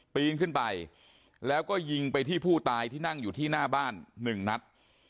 ปีนขึ้นไปแล้วก็ยิงไปที่ผู้ตายที่นั่งอยู่ที่หน้าบ้านหนึ่งนัด